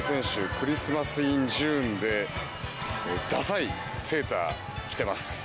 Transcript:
クリスマス・イン・ジューンでダサいセーターを着てます。